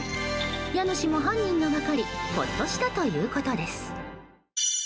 家主も犯人が分かりほっとしたということです。